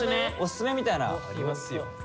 オススメみたいな。ありますよ。